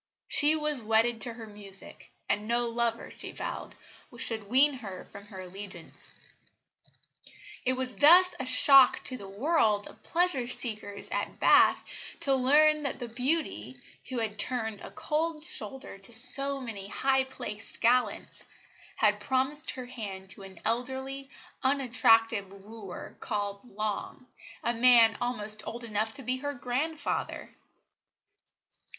She was wedded to her music, and no lover, she vowed, should wean her from her allegiance. It was thus a shock to the world of pleasure seekers at Bath to learn that the beauty, who had turned a cold shoulder to so many high placed gallants, had promised her hand to an elderly, unattractive wooer called Long, a man almost old enough to be her grandfather.